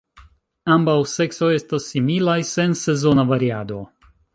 Ambaŭ seksoj estas similaj, sen sezona variado.